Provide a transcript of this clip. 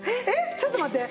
ちょっと待って。